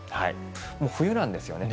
冬なんですよね。